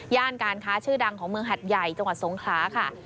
การค้าชื่อดังของเมืองหัดใหญ่จังหวัดสงขลาค่ะ